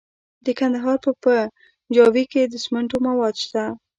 د کندهار په پنجوايي کې د سمنټو مواد شته.